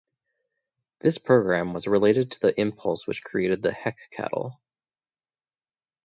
This programme was related to the impulse which created the Heck cattle.